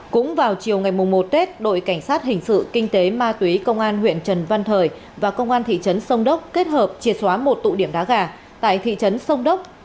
cũng vào chiều ngày một tết đội cảnh sát hình sự kinh tế ma túy công an huyện trần văn thời và công an thị trấn sông đốc kết hợp triệt xóa một tụ điểm đá gà tại thị trấn sông đốc